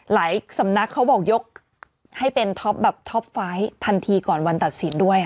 สำนักเขาบอกยกให้เป็นท็อปแบบท็อปไฟต์ทันทีก่อนวันตัดสินด้วย